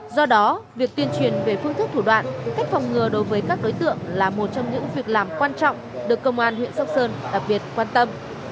do đó việc tuyên truyền về phương thức thủ đoạn cách phòng ngừa đối với các đối tượng là một trong những việc làm quan trọng được công an huyện sóc sơn đặc biệt quan tâm